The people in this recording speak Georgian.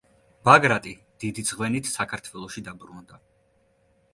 ბაგრატი დიდი ძღვენით საქართველოში დაბრუნდა.